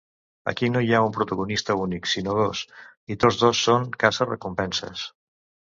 Aquí no hi ha un protagonista únic sinó dos, i tots dos són caça-recompenses.